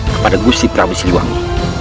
kepada kusti prabu siliwangi